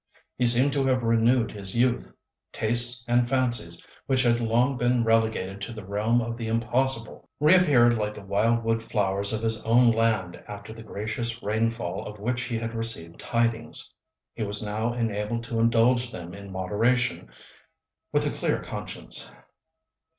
He seemed to have renewed his youth. Tastes and fancies which had long been relegated to the realm of the impossible reappeared like the wild wood flowers of his own land after the gracious rainfall of which he had received tidings. He was now enabled to indulge them in moderation with a clear conscience.